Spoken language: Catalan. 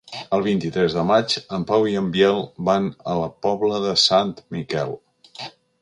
El vint-i-tres de maig en Pau i en Biel van a la Pobla de Sant Miquel.